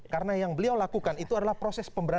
karena yang beliau lakukan itu adalah proses pemusuhan